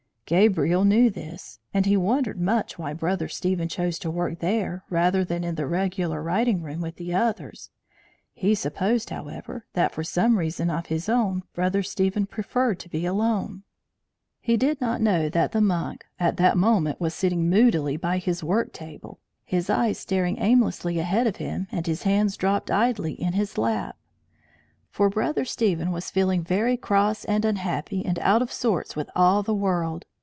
Gabriel knew this, and he wondered much why Brother Stephen chose to work there rather than in the regular writing room with the others. He supposed, however, that, for some reason of his own, Brother Stephen preferred to be alone. He did not know that the monk, at that moment, was sitting moodily by his work table, his eyes staring aimlessly ahead of him, and his hands dropped idly in his lap. For Brother Stephen was feeling very cross and unhappy and out of sorts with all the world.